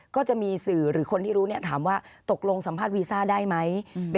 ขอบคุณครับ